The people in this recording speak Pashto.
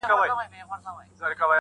استازیتوب ناسم کوي